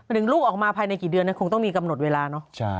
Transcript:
ถึงลูกออกมาภายในกี่เดือนคงต้องมีกำหนดเวลาเนอะ